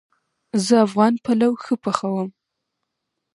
زه افغان پلو ښه پخوم